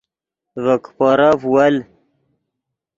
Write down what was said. ڤے کیپورف ول